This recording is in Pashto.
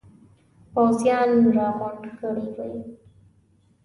پوځیان را غونډ کړي وي.